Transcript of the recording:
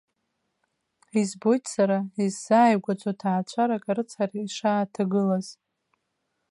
Избоит сара, исзааигәаӡоу ҭаацәарак арыцҳара ишааҭагылаз!